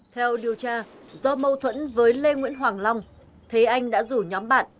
theo điều tra do mâu thuẫn với lê nguyễn hoàng long thế anh đã rủ nhóm bạn